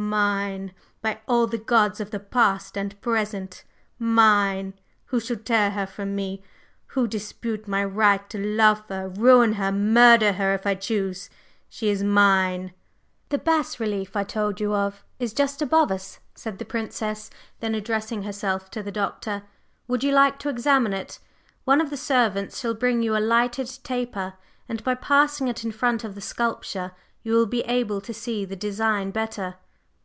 mine! By all the gods of the past and present mine! Who shall tear her from me, who dispute my right to love her ruin her murder her, if I choose? She is mine!" "The bas relief I told you of is just above us," said the Princess then, addressing herself to the Doctor; "would you like to examine it? One of the servants shall bring you a lighted taper, and by passing it in front of the sculpture you will be able to see the design better.